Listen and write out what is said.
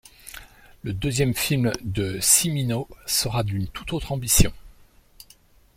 Le deuxième film de Cimino sera d'une tout autre ambition.